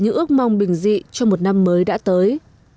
những ước mong bình dị cho một năm mới đã tới